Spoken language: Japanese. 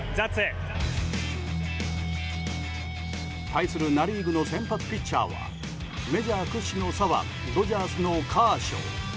対するナ・リーグの先発ピッチャーはメジャー屈指の左腕ドジャースのカーショー。